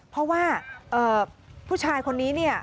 เพราะว่าผู้ชายคนนี้